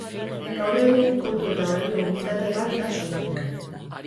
Gaur egun kontu eta balio unitate bat da soilik.